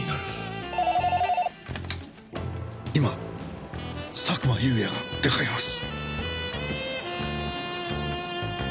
今佐久間有也が出かけます。